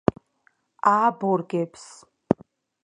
ააბორგებს